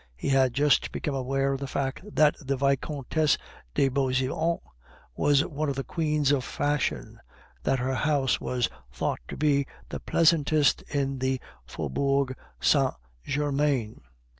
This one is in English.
He had just become aware of the fact that the Vicomtesse de Beauseant was one of the queens of fashion, that her house was thought to be the pleasantest in the Faubourg Saint Germain.